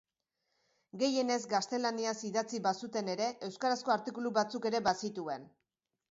Gehienez gaztelaniaz idatzi bazuten ere, euskarazko artikulu batzuk ere bazituen.